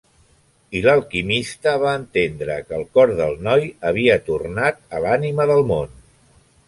I l'alquimista va entendre que el cor del noi havia tornat a l'Ànima del món.